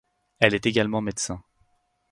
Elle est également médecin.